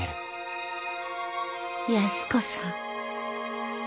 安子さん。